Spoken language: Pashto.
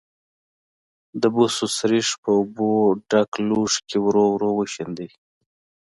د بوسو سريښ په اوبو ډک لوښي کې ورو ورو وشیندئ.